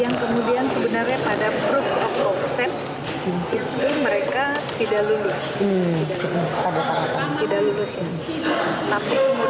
yang kemudian sebenarnya pada proof of concept itu mereka tidak lulus